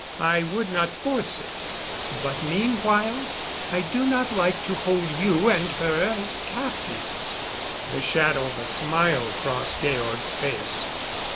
I would not force it. But meanwhile I do not like to hold you and her as captives." The shadow of a smile crossed Georg's face.